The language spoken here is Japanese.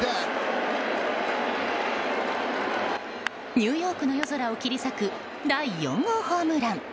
ニューヨークの夜空を切り裂く第４号ホームラン。